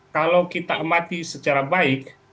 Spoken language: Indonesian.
kalau kita amati secara baik